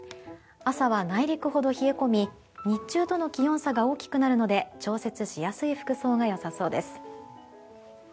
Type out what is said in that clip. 朝は内陸ほど冷え込み日中との気温差が大きくなるので調節しやすい服装が良さそうです。